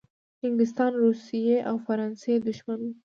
د انګلستان، روسیې او فرانسې دښمن وو.